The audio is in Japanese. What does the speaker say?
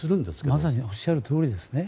まさにおっしゃるとおりですね。